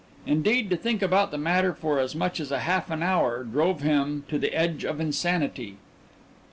Indeed, to think about the matter for as much as a half an hour drove him to the edge of insanity.